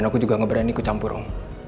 dan aku juga nggak berani kucampur om